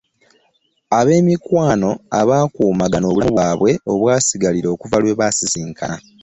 Abemikwano abakumangana obulamu bwabwe obwasigailra okuva lwe basisinkana.